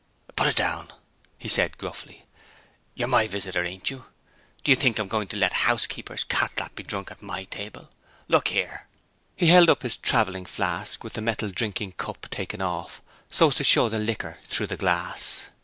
"Put it down!" he said gruffly. "You're my visitor, ain't you? Do you think I'm going to let housekeeper's cat lap be drunk at my table? Look here!" He held up his traveling flask, with the metal drinking cup taken off, so as to show the liquor through the glass.